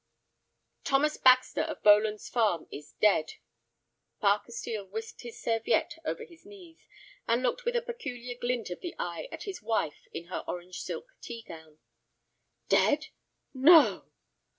"Thomas Baxter, of Boland's Farm, is dead." Parker Steel whisked his serviette over his knees, and looked with a peculiar glint of the eye at his wife in her orange silk tea gown. "Dead, no!"